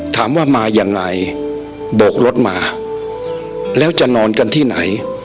ถามว่ามายังไงโบกรถมาแล้วจะนอนกันที่ไหน